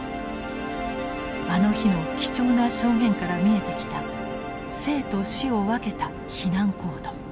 あの日の貴重な証言から見えてきた生と死を分けた避難行動。